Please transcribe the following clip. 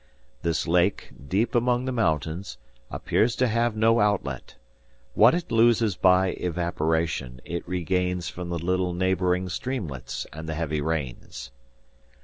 "This lake, deep among the mountains, appears to have no outlet. What it loses by evaporation, it regains from the little neighboring streamlets and the heavy rains.